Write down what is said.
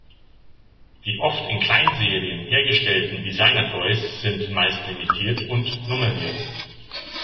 Die oft in Kleinserien hergestellten Designer Toys sind meist limitiert und nummeriert.